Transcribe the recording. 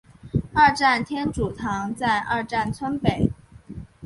二站天主堂在二站村北。